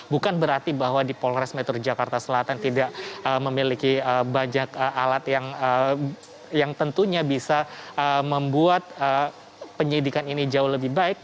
bukan berarti bahwa di polres metro jakarta selatan tidak memiliki banyak alat yang tentunya bisa membuat penyidikan ini jauh lebih baik